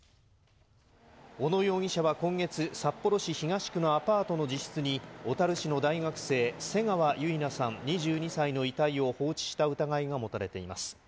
小野容疑者は今月、札幌市東区のアパートの自室に、小樽市の大学生、瀬川結菜さん２２歳の遺体を放置した疑いが持たれています。